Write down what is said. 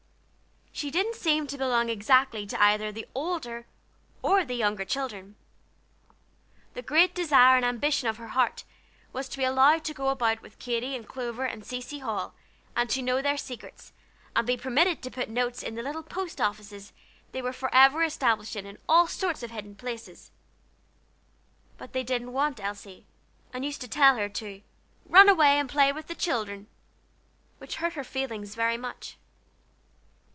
She didn't seem to belong exactly to either the older or the younger children. The great desire and ambition of her heart was to be allowed to go about with Katy and Clover and Cecy Hall, and to know their secrets, and be permitted to put notes into the little post offices they were forever establishing in all sorts of hidden places. But they didn't want Elsie, and used to tell her to "run away and play with the children," which hurt her feelings very much.